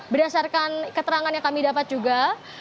berdasarkan keterangan yang kami dapat juga